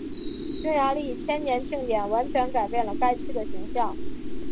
匈牙利千年庆典完全改变了该区的形象。